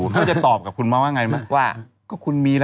นั่นไงนั่นไงบอกตรงนะ